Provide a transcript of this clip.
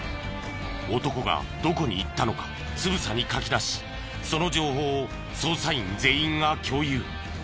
男がどこに行ったのかつぶさに書き出しその情報を捜査員全員が共有。